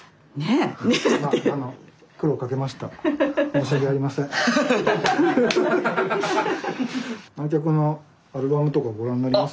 申し訳ありません。